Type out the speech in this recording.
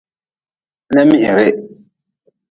Lemihirih.